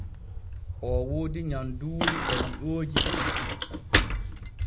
O woodi nyanduuli e liooji ɗuɗɗi.